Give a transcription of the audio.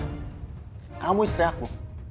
kamu istri aku